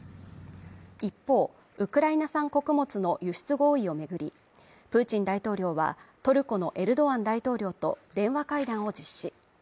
一方ウクライナ産穀物の輸出合意をめぐりプーチン大統領はトルコのエルドアン大統領と電話会談を実施